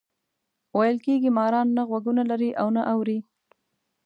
ویل کېږي ماران نه غوږونه لري او نه اوري.